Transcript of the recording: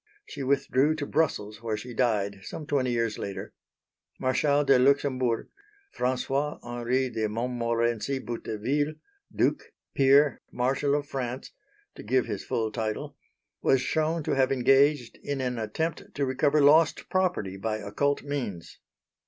She withdrew to Brussels where she died some twenty years later. Marshal de Luxembourg François Henri de Montmorenci Boutteville, duke, peer, Marshal of France to give his full titles was shown to have engaged in an attempt to recover lost property by occult means.